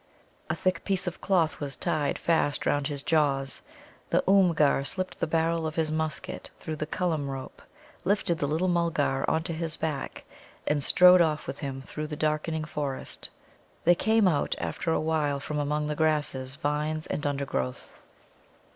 A thick piece of cloth was tied fast round his jaws. The Oomgar slipped the barrel of his musket through the Cullum rope, lifted the little Mulgar on to his back, and strode off with him through the darkening forest. They came out after a while from among the grasses, vines, and undergrowth.